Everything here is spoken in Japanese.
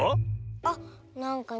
あっなんかね